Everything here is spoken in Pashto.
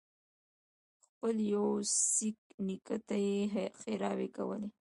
خپل يوه سېک نیکه ته یې ښېراوې کولې.